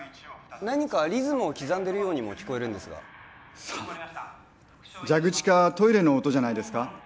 何かリズムを刻んでるようにも聞こえるんですがさあ蛇口かトイレの音じゃないですか？